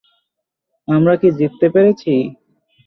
আমরা কি জিততে পেরেছি?